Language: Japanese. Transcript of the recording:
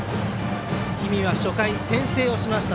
氷見は初回、先制をしました。